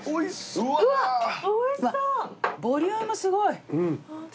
うわボリュームすごい。